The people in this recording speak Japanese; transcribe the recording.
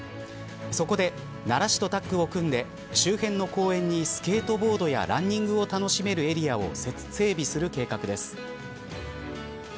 そこで、奈良市とタッグを組んで周辺の公園にスケートボードやランニングを楽しめるエリアを整備する計画です。